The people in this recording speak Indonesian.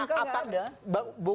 tapi mk tidak ada